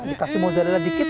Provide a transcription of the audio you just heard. dikasih mozzarella dikit